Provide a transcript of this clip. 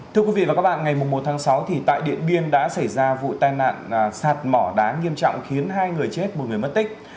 thưa quý vị và các bạn ngày một tháng sáu thì tại điện biên đã xảy ra vụ tai nạn sạt mỏ đá nghiêm trọng khiến hai người chết một người mất tích